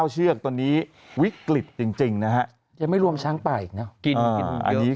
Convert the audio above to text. เชือกตอนนี้วิกฤตจริงนะฮะยังไม่รวมช้างป่าอีกนะกินกินอันนี้